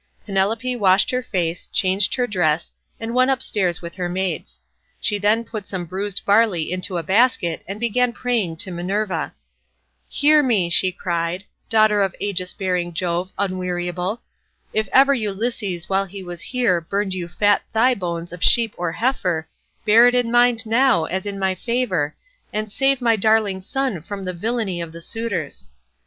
Penelope washed her face, changed her dress, and went upstairs with her maids. She then put some bruised barley into a basket and began praying to Minerva. "Hear me," she cried, "Daughter of Aegis bearing Jove, unweariable. If ever Ulysses while he was here burned you fat thigh bones of sheep or heifer, bear it in mind now as in my favour, and save my darling son from the villainy of the suitors."